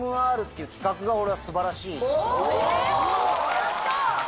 ・やった！